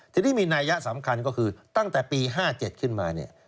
ทีนี้มีนัยยะสำคัญก็คือตั้งแต่ปี๕๗ขึ้นมาเนี่ย